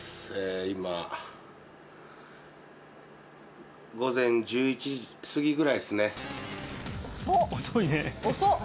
今午前１１時すぎぐらいですね遅っ！